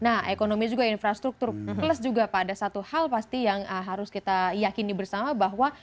nah ekonomi juga infrastruktur plus juga pak ada satu hal pasti yang harus kita yakini bersama bahwa